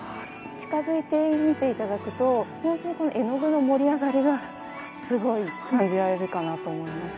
近づいて見て頂くと本当に絵の具の盛り上がりがすごい感じられるかなと思います。